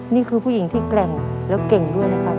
นี่คือผู้หญิงที่แกร่งแล้วเก่งด้วยนะครับ